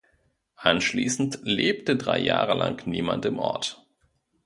Anschließend lebte drei Jahre lang niemand im Ort.